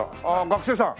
学生さん？